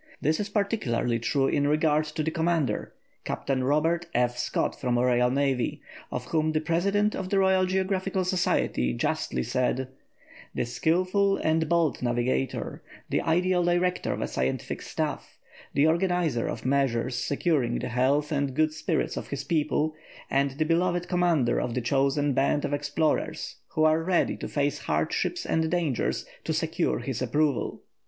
This is particularly true in regard to the commander, Captain Robert F. Scott, R.N., of whom the President of the Royal Geographical Society justly said: "the skilful and bold navigator, the ideal director of a scientific staff, the organiser of measures securing the health and good spirits of his people, and the beloved commander of the chosen band of explorers who are ready to face hardships and dangers to secure his approval."